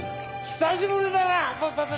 久しぶりだな！